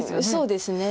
そうですね。